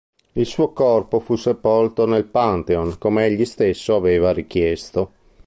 Il suo corpo fu sepolto nel Pantheon, come egli stesso aveva richiesto.